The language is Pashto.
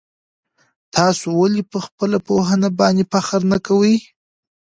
تاسو ولي په خپله پوهنه باندي فخر نه کوئ؟